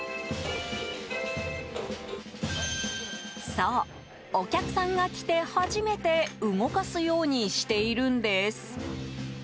そう、お客さんが来て初めて動かすようにしているんです。